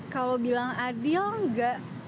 kalau bilang adil enggak